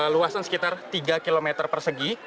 luasan sekitar tiga km persegi